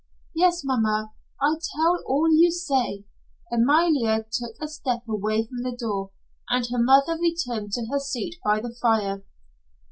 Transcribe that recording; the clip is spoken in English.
"Yes, mamma. I tell all you say." Amalia took a step away from the door, and her mother returned to her seat by the fire.